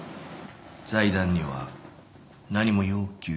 財団には何も要求しない？